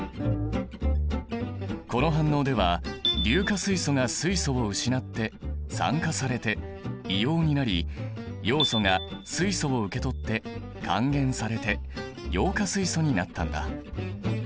この反応では硫化水素が水素を失って酸化されて硫黄になりヨウ素が水素を受け取って還元されてヨウ化水素になったんだ。